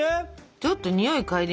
ちょっとにおい嗅いでみてよ。